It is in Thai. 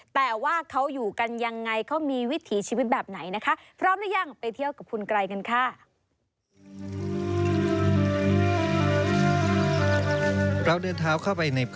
แต่ว่าเขาอยู่กันยังไงเขามีวิถีชีวิตแบบไหนนะคะ